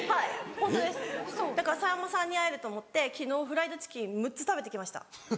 だからさんまさんに会えると思って昨日フライドチキン６つ食べて来ました。